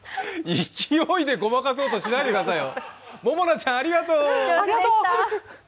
勢いでごまかそうとしないでくださいよ